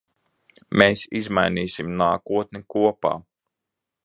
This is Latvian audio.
Mēs izmainīsim nākotni kopā.